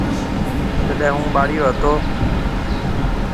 جڏيَ هُون ٻاݪيو هتو۔